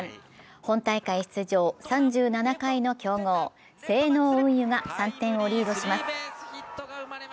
本大会出場３７回の強豪・西濃運輸が３点をリードします。